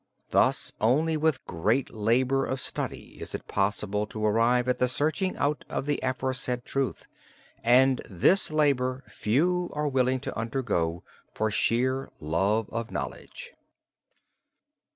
Thus only with great labour of study is it possible to arrive at the searching out of the aforesaid truth; and this labour few are willing to undergo for sheer love of knowledge.